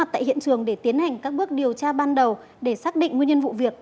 tại hiện trường để tiến hành các bước điều tra ban đầu để xác định nguyên nhân vụ việc